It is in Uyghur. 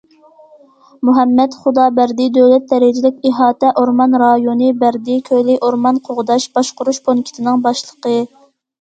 مۇھەممەت خۇدابەردى دۆلەت دەرىجىلىك ئىھاتە ئورمان رايونى بەردى كۆلى ئورمان قوغداش، باشقۇرۇش پونكىتىنىڭ باشلىقى.